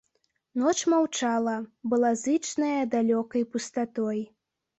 Ноч маўчала, была зычная далёкай пустатой.